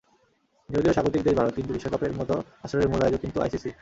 যদিও স্বাগতিক দেশ ভারত, কিন্তু বিশ্বকাপের মতো আসরের মূল আয়োজক কিন্তু আইসিসি।